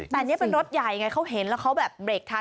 แต่นี่เป็นรถใหญ่ไงเขาเห็นแล้วเขาแบบเบรกทัน